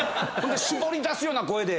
絞り出すような声で。